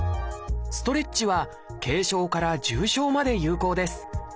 ストレッチは軽症から重症まで有効です。